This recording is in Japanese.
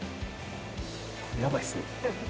これ、やばいっすね。